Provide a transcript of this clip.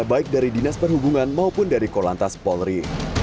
baik dari dinas perhubungan maupun dari kolantas polri